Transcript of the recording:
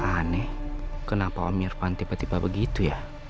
aneh kenapa om irfan tiba tiba begitu ya